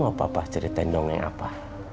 apa apa ceritain dongeng apa